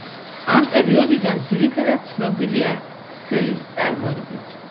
ამ პერიოდიდან ძირითადად ცნობილია სელის წარმოებით.